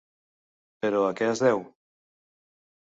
Però a què es deu?